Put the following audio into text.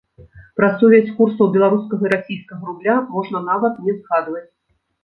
Пра сувязь курсаў беларускага і расійскага рубля можна нават не згадваць.